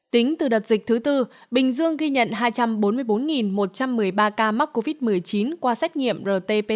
tính từ đợt dịch thứ tư bình dương ghi nhận hai trăm bốn mươi bốn một trăm một mươi ba ca mắc covid một mươi chín qua xét nghiệm rt pcr hai năm trăm năm mươi sáu ca tử vong